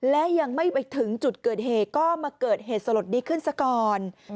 และยังไม่ไปถึงจุดเกิดเหตุก็มาเกิดเหตุสลดนี้ขึ้นซะก่อน